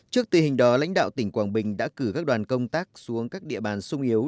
trước tình hình đó lãnh đạo tỉnh quảng bình đã cử các đoàn công tác xuống các địa bàn sung yếu